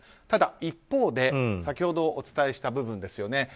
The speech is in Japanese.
ただ一方で先ほどお伝えした部分ですね。